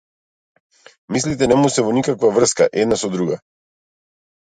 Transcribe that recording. Мислите не му се во никаква врска една со друга.